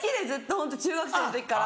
ホント中学生の時から。